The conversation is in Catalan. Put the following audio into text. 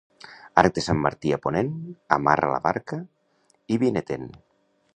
Arc de sant Martí a ponent, amarra la barca i vine-te'n.